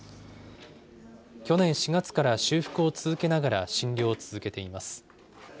去年４月から修復を続けながら診療を続けています。